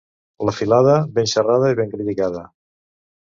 La filada, ben xerrada i ben criticada.